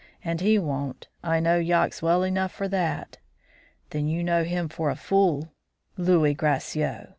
And he won't; I know Yox well enough for that." "Then you know him for a fool. Louis Gracieux!